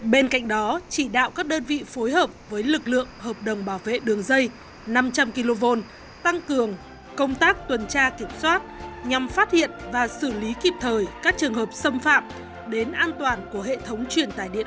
bên cạnh đó chỉ đạo các đơn vị phối hợp với lực lượng hợp đồng bảo vệ đường dây năm trăm linh kv tăng cường công tác tuần tra kiểm soát nhằm phát hiện và xử lý kịp thời các trường hợp xâm phạm đến an toàn của hệ thống truyền tải điện